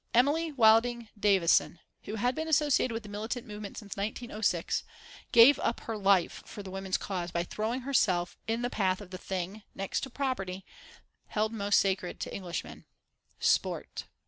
Emily Wilding Davison, who had been associated with the militant movement since 1906, gave up her life for the women's cause by throwing herself in the path of the thing, next to property, held most sacred to Englishmen sport.